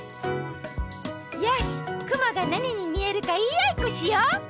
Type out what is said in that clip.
よしくもがなににみえるかいいあいっこしよう！